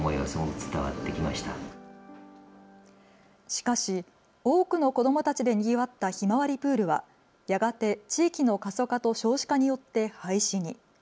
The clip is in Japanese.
しかし多くの子どもたちでにぎわったひまわりプールはやがて地域の過疎化と少子化によって廃止に。